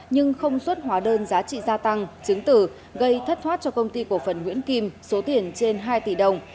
nhưng không xuất hóa đơn giá trị gia tăng chứng tử gây thất thoát cho công ty cổ phần nguyễn kim số tiền trên hai tỷ đồng